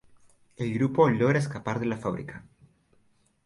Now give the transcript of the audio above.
El grupo logra escapar de la fábrica.